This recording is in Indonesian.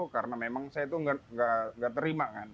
karena memang saya itu nggak terima